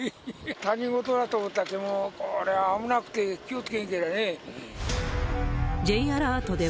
他人事だと思ったけど、これは危なくて、気をつけないとね。